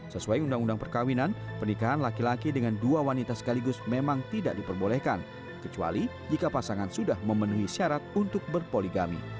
sesuai undang undang perkawinan pernikahan laki laki dengan dua wanita sekaligus memang tidak diperbolehkan kecuali jika pasangan sudah memenuhi syarat untuk berpoligami